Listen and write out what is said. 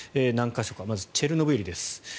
何か所かまずチェルノブイリです。